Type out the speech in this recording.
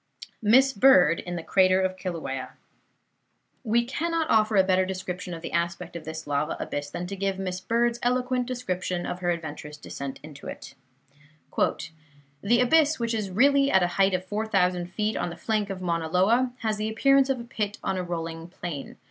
MISS BIRD IN THE CRATER OF KILAUEA We cannot offer a better description of the aspect of this lava abyss than to give Miss Bird's eloquent description of her adventurous descent into it: "The abyss, which really is at a height of four thousand feet on the flank of Mauna Loa, has the appearance of a pit on a rolling plain.